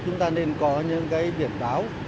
chúng ta nên có những cái biển báo